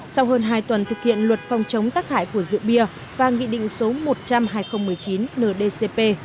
sau hơn hai tuần thực hiện luật phòng chống tác hại của rượu bia và nghị định số một trăm linh hai nghìn một mươi chín ndcp